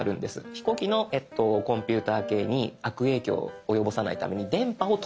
飛行機のコンピューター系に悪影響を及ぼさないために電波を止めます。